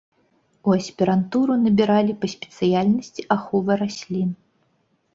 У аспірантуру набіралі па спецыяльнасці ахова раслін.